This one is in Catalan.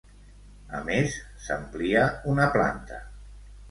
A més, s'amplia una planta.